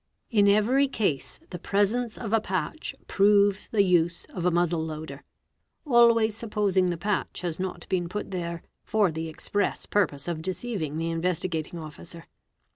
In every case the presence of a patch proves the use of a muzzle loader—always sup posing the patch has not been put there for the express purpose of deceiving the Investigating Officer.